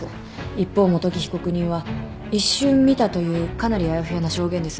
一方元木被告人は「一瞬見た」というかなりあやふやな証言です。